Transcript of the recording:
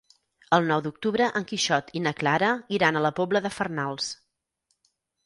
El nou d'octubre en Quixot i na Clara iran a la Pobla de Farnals.